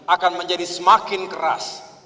akan menjadi semakin keras